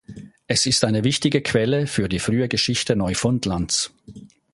Es ist eine wichtige Quelle für die frühe Geschichte Neufundlands.